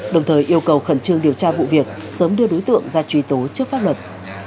đồng thời yêu cầu khẩn trương điều tra vụ việc sớm đưa đối tượng ra truy tố trước pháp luật